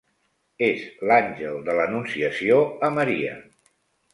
És l'àngel de l'anunciació a Maria.